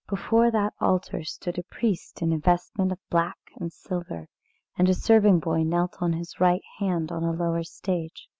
before that altar stood a priest in a vestment of black and silver; and a serving boy knelt on his right hand on a lower stage.